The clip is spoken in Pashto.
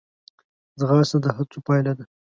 ځغاسته د هڅو پایله ده